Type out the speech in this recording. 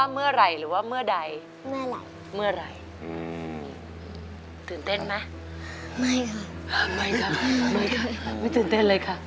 ไม่ค่ะไม่ค่ะไม่ตื่นเต้นเลยค่ะ